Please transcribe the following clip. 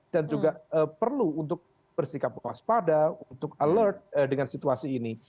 dan juga perlu untuk bersikap waspada untuk alert dengan situasi ini